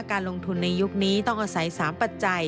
การลงทุนในยุคนี้ต้องอาศัย๓ปัจจัย